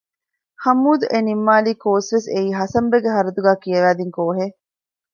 ހަމޫދް އެ ނިންމާލި ކޯސްވެސް އެއީ ހަސަންބެގެ ހަރަދުގައި ކިޔަވަދިން ކޯހެއް